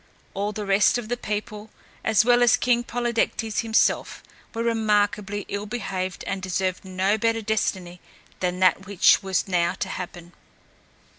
All the rest of the people, as well as King Polydectes himself, were remarkably ill behaved and deserved no better destiny than that which was now to happen.